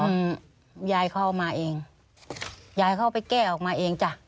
คุณยายเข้ามาเองยายเข้าไปแก้ออกมาเองจ้ะ